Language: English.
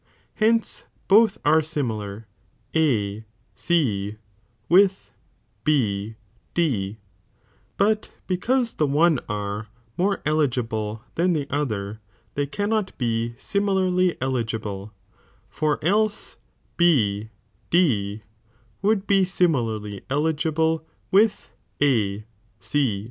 Hence both (aresimilar) AC with BD, but because (the one are) more (eli gible than the other they) cannot be similarly (eligible), for (else)B Dwouldbe8imilarly(eligible)(with A C).